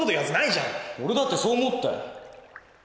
俺だってそう思ったよ。